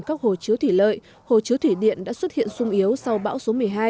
các hồ chứa thủy lợi hồ chứa thủy điện đã xuất hiện sung yếu sau bão số một mươi hai